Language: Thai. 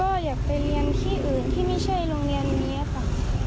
ก็อยากไปเรียนที่อื่นที่ไม่ใช่โรงเรียนนี้ค่ะ